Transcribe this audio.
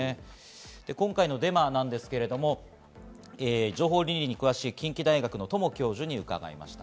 今回のデマですが、情報倫理に詳しい近畿大学の鞆教授に伺いました。